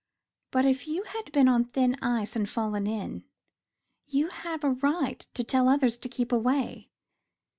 But if you have been on thin ice and fallen in, you have a right to tell others to keep away.